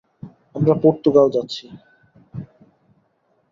আমরা পর্তুগাল যাচ্ছি!